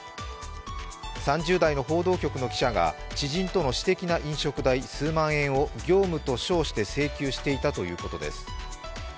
３０代の報道局の記者が知人との私的な飲食代、数万円を業務と称して請求していたということです。